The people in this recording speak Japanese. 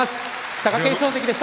貴景勝関でした。